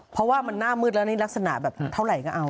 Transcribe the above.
เพราะว่ามันหน้ามืดแล้วนี่ลักษณะแบบเท่าไหร่ก็เอา